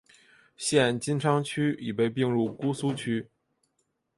现金阊区已被并入姑苏区。